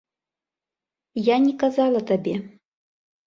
Я не казала табе.